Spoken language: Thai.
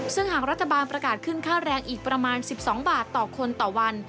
ซึ่งหากรัฐบาลประกาศขึ้นค่าแรงอีกประมาณ๑๒บาทต่อคนต่อวัน